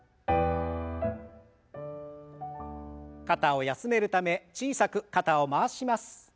肩を休めるため小さく肩を回します。